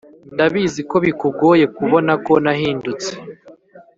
ndabizi ko bikugoye kubona ko nahindutse